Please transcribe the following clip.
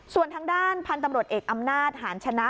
ส่วนทางด้านพันธุ์ตำรวจเอกอำนาจหาญชนะ